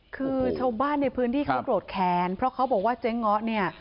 คือชาวบ้านในพื้นที่เขาโกรธแค้นเพราะเขาบอกว่าเจ๊ง้อเนี่ย